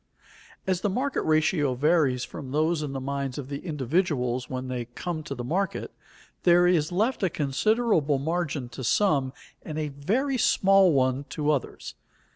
As the market ratio varies from those in the minds of the individuals when they come to the market, there is left a considerable margin to some and a very small one to others.